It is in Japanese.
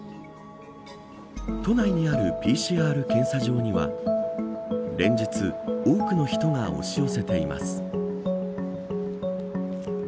都内にあるＰＣＲ検査場には連日多くの人が押し寄せています。